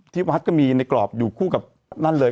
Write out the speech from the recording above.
ที่วัดก็มีในกรอบอยู่คู่กับนั่นเลย